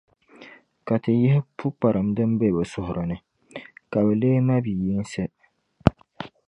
Ka ti yihi pukparim din be bɛ suhiri ni, ka bɛ leei mabiyinsi.